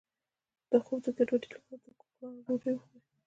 د خوب د ګډوډۍ لپاره د کوکنارو ډوډۍ وخورئ